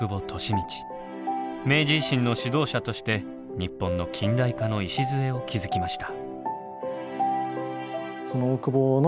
明治維新の指導者として日本の近代化の礎を築きました。